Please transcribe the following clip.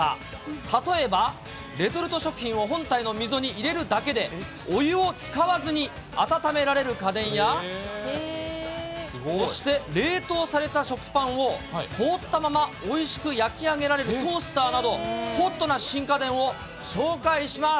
例えば、レトルト食品を本体の溝に入れるだけで、お湯を使わずに温められる家電や、そして冷凍された食パンを凍ったままおいしく焼き上げられるトースターなど、ホットなシン・家電を紹介します。